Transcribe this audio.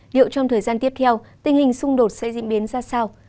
liệu trong thời gian tiếp theo tình hình xung đột sẽ diễn biến ra sao